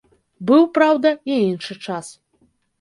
Быў, праўда, і іншы час.